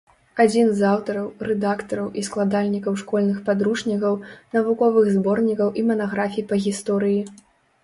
Адзін з аўтараў, рэдактараў і складальнікаў школьных падручнікаў, навуковых зборнікаў і манаграфій па гісторыі.